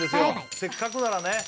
せっかくならね